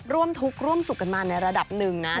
ร่วมทุกข์ร่วมสุขกันมาในระดับหนึ่งนะ